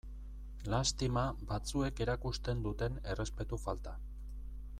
Lastima batzuek erakusten duten errespetu falta.